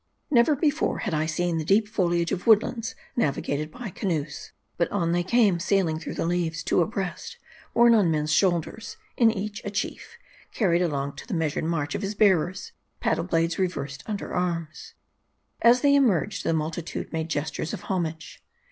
NEVER before had I seen the deep foliage of woodlands navigated by canoes. But on they came sailing through the leaves ; two abreast ; borne on men's shoulders ; in each a chief, carried along to the measured march of his bearers ; paddle blades reversed under arms. As they emerged, the multitude made gestures of homage.